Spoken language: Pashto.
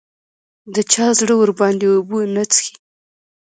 د چا زړه ورباندې اوبه نه څښي